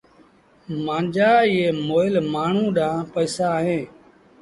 مآݩجآ ايٚئي مُئيٚل مآڻهوٚٚݩ ڏآݩهݩ پئيٚسآ اهيݩ